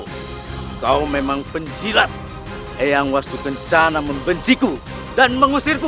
hai kau memang penjilat yang waspukencana membenciku dan mengusirku